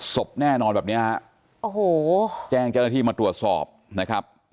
ศพแน่นอนแบบเนี้ยฮะโอ้โหแจ้งเจ้าหน้าที่มาตรวจสอบนะครับ